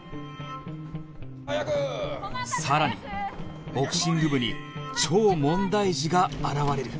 さらにボクシング部に超問題児が現れる